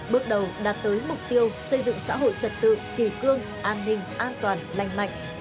bước đầu đạt tới mục tiêu xây dựng xã hội trật tự kỳ cương an ninh an toàn lành mạnh